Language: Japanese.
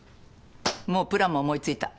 もうプランも思いついた。